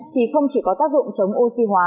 thì không chỉ có tác dụng chống oxy hóa